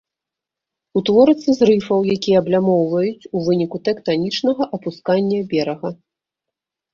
Утворацца з рыфаў, якія аблямоўваюць, у выніку тэктанічнага апускання берага.